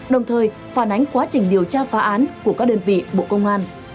đồng thời phản ánh quá trình điều tra phá án của các đơn vị bộ công an